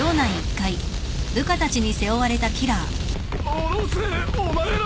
下ろせお前ら！